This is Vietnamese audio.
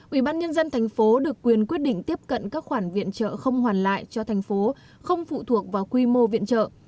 ủy ban nhân dân thành phố được quyền quyết định tiếp cận các khoản viện trợ không hoàn lại cho thành phố không phụ thuộc vào quy mô viện trợ